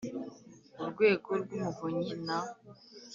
Urwego rw Umuvunyi na